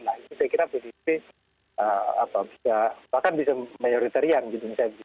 nah itu saya kira pdip bisa bahkan bisa mayoritarian gitu misalnya